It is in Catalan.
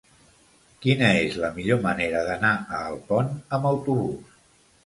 Quina és la millor manera d'anar a Alpont amb autobús?